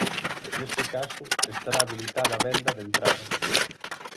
Neste caso, estará habilitada a venda de entradas.